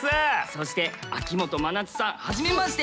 そして秋元真夏さんはじめまして。